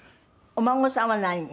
お孫さんは何人？